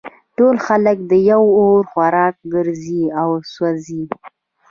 ټول خلک د یوه اور خوراک ګرځي او سوزي